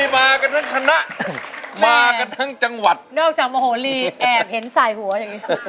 แสดงว่าร้องได้แน่นอน